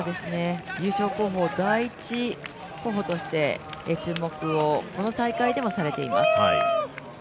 優勝候補、第１候補として注目をこの大会でもされています。